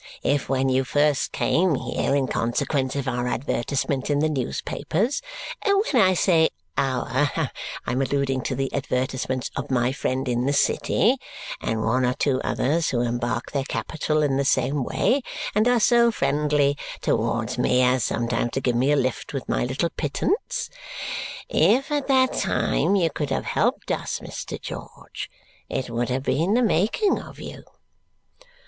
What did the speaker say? If when you first came here, in consequence of our advertisement in the newspapers when I say 'our,' I'm alluding to the advertisements of my friend in the city, and one or two others who embark their capital in the same way, and are so friendly towards me as sometimes to give me a lift with my little pittance if at that time you could have helped us, Mr. George, it would have been the making of you."